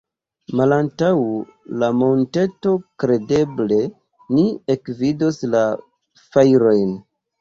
Malantaŭ la monteto, kredeble, ni ekvidos la fajrojn.